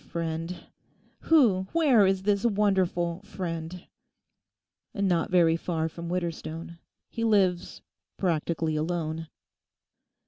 A friend! Who, where is this wonderful friend?' 'Not very far from Widderstone. He lives—practically alone.